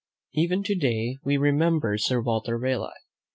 Even to day we remember Sir Walter Raleigh.